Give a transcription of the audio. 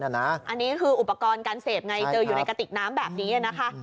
อันนี้คืออุปกรณ์การเสพไงเจออยู่ในกระติกน้ำแบบนี้นะคะ